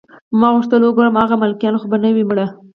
ما غوښتل وګورم چې هغه ملکیان خو به نه وي مړه